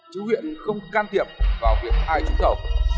chứ huyện không can thiệp vào việc ai trúng thầu